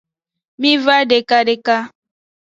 Miva deka deka.